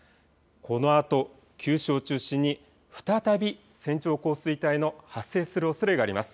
このあと九州を中心に再び線状降水帯の発生するおそれがあります。